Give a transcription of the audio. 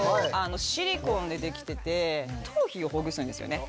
シリコンでできてて頭皮をほぐすんですよね。